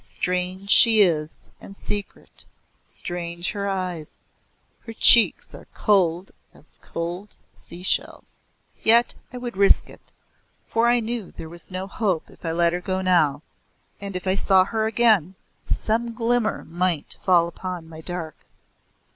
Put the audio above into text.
"Strange she is and secret, Strange her eyes; her cheeks are cold as cold sea shells." Yet I would risk it, for I knew there was no hope if I let her go now, and if I saw her again, some glimmer might fall upon my dark.